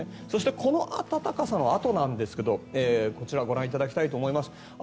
そしてこの暖かさのあとなんですがこちらをご覧いただきたいと思います。